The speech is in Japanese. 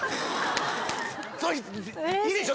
いいでしょ？